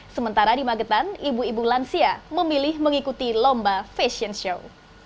sementara di magetan ibu ibu lansia memilih mengikuti lomba fashion show